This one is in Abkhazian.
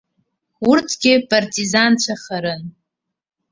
Урҭгьы партизанцәахарын.